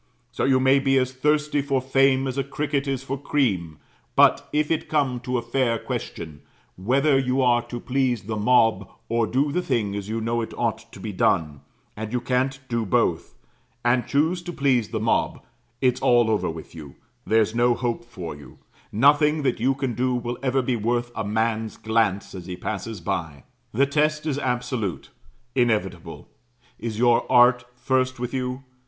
So you may be as thirsty for fame as a cricket is for cream; but, if it come to a fair question, whether you are to please the mob, or do the thing as you know it ought to be done; and you can't do both, and choose to please the mob, it's all over with you there's no hope for you; nothing that you can do will ever be worth a man's glance as he passes by. The test is absolute, inevitable Is your art first with you?